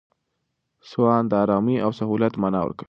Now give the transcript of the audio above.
سوان د آرامۍ او سهولت مانا ورکوي.